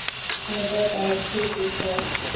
এটা তার CV, sir.